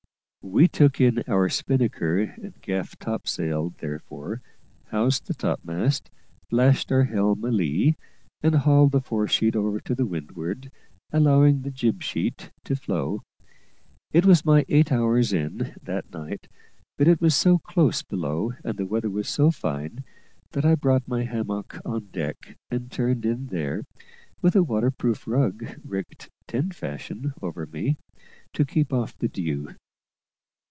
We took in our spinnaker and gaff topsail therefore, housed the topmast, lashed our helm a lee, and hauled the fore sheet over to windward, allowing the jib sheet to flow. It was my eight hours in, that night: but it was so close below and the weather was so fine, that I brought my hammock on deck and turned in there, with a waterproof rug rigged tent fashion over me, to keep off the dew.